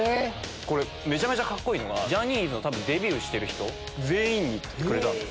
めちゃめちゃカッコいいのがジャニーズの多分デビューしてる人全員にってくれたんです。